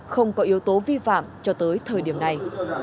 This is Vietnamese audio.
không có yếu tố vi phạm cho tới thời điểm này